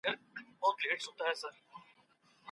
علم د انسانانو ګډ میراث دی.